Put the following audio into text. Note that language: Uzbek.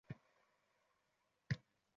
Fikr otin minib chopgan chavandozlar